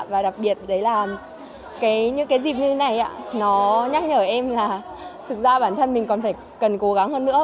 và đặc biệt những dịp như thế này nhắc nhở em là thực ra bản thân mình còn cần cố gắng hơn nữa